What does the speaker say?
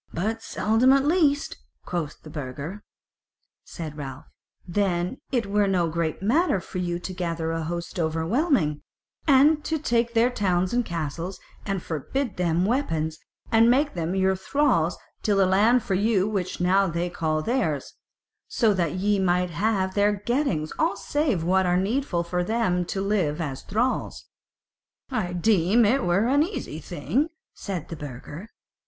"But seldom at least," quoth the Burgher. Said Ralph: "Then it were no great matter for you to gather a host overwhelming, and to take their towns and castles, and forbid them weapons, and make them your thralls to till the land for you which now they call theirs; so that ye might have of their gettings all save what were needful for them to live as thralls." "I deem it were an easy thing," said the burgher.